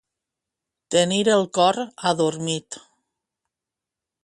Tenir el cor adormit.